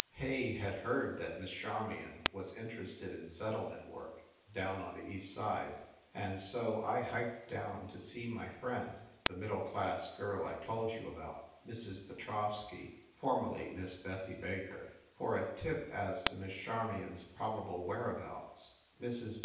Hay had heard that Miss Charmion was interested in settle ment work, down on the East Side, and so I hiked down to see my friend, the middle class girl I told you about, Mrs. Petrovsky (formerly Miss Bessie Baker), for a tip as to Miss Charmion s probable whereabouts. Mrs.